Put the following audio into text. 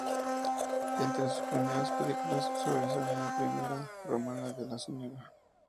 Entre sus primeras películas sobresalen "La primavera romana de la Sra.